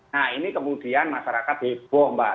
nah ini kemudian masyarakat heboh mbak